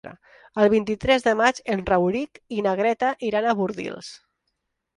El vint-i-tres de maig en Rauric i na Greta iran a Bordils.